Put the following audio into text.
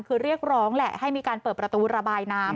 คือเรียกร้องแหละให้มีการเปิดประตูระบายน้ำ